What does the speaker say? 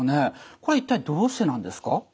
これは一体どうしてなんですか？